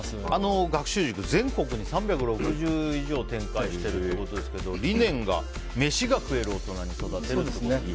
学習塾、全国に３６０以上展開しているということですが理念がメシが食える大人に育てるということですよね。